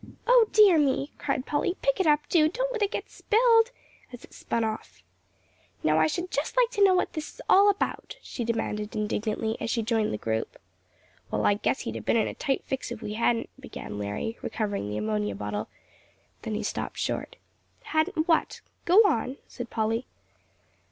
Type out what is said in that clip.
"O dear me!" cried Polly, "pick it up, do; don't let it get spilled," as it spun off. "Now I should just like to know what all this is about," she demanded indignantly, as she joined the group. "Well, I guess he'd have been in a tight fix if we hadn't " began Larry, recovering the ammonia bottle. Then he stopped short. "Hadn't what? Go on," said Polly.